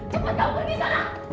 cepat kamu pergi dari sana